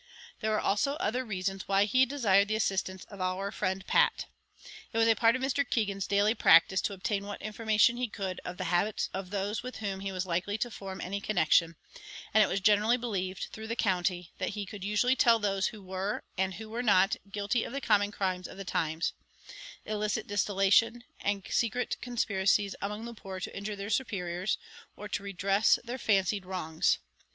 There were also other reasons why he desired the assistance of our friend Pat. It was a part of Mr. Keegan's daily practice to obtain what information he could of the habits of those with whom he was likely to form any connection; and it was generally believed through the county, that he could usually tell those who were, and who were not, guilty of the common crimes of the times illicit distillation, and secret conspiracies among the poor to injure their superiors, or to redress their fancied wrongs.